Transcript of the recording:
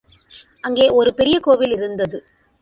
அங்கே ஒரு பெரிய கோவில் இருந்தது.